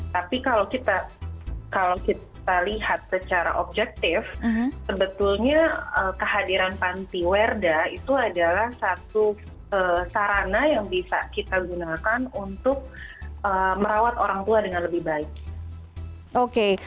tapi kalau kita lihat secara objektif sebetulnya kehadiran pantiwerda itu adalah satu sarana yang bisa kita gunakan untuk merawat orang tua dengan lebih baik